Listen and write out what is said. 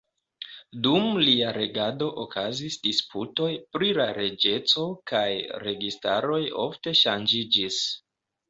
Dum lia regado okazis disputoj pri la reĝeco, kaj registaroj ofte ŝanĝiĝis.